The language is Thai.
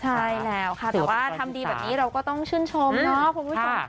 ใช่แล้วค่ะแต่ว่าทำดีแบบนี้เราก็ต้องชื่นชมเนาะคุณผู้ชมค่ะ